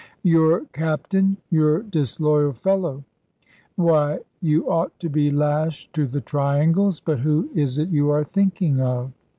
"Your Captain! you disloyal fellow. Why, you ought to be lashed to the triangles. But who is it you are thinking of?"